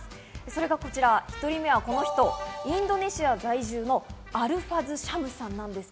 それがこちら、１人目この人、インドネシア在住のアルファズ・シャムさんです。